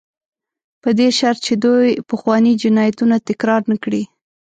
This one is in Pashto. په دې شرط چې دوی پخواني جنایتونه تکرار نه کړي.